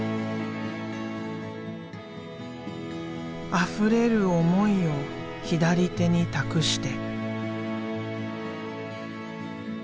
あふれる思いを左手に託して。